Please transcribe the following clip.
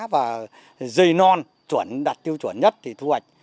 thì dây non đặt tiêu chuẩn nhất thì thu hoạch